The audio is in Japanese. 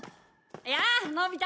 やあのび太！